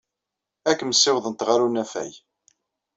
Ad kem-ssiwḍent ɣer unafag.